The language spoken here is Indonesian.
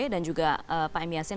dan juga pak m yasin